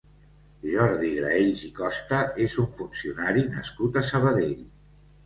Jordi Graells i Costa és un funcionari nascut a Sabadell.